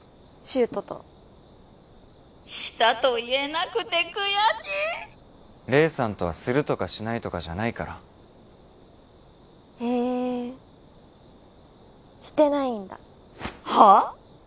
柊人とシたと言えなくて悔しい黎さんとはスるとかシないとかじゃないからへえシてないんだはあ！？